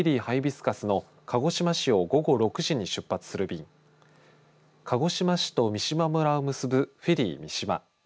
すかすの鹿児島市を午後６時に出発する便鹿児島市と三島村を結ぶフェリーみしま。